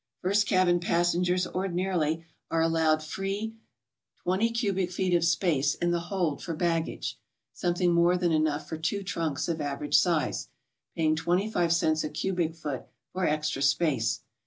HOW TO GO. 47 First cabin passengers ordinarily are aiiowea free 20 cubic feet of space in the hold for baggage (sotmething more than enough for two trunks of average size), paying 25 cts. a cubic foot for extra space.